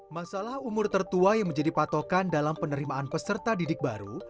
masalah umur tertua yang menjadi patokan dalam penerimaan peserta didik baru